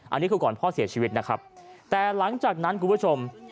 อันนี้คือก่อนพ่อเสียชีวิตนะครับแต่หลังจากนั้นคุณผู้ชม